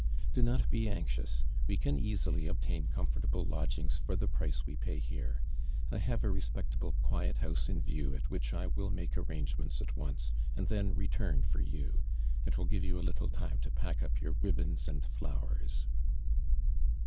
•' Do not be anxious ! We can easily ob tain comfortable lodgings for the price we pay here. I have a respectable quiet house m view at which I will make arrangements at once and then return for you. It will give you a little time to pack up your rib bons and flowers."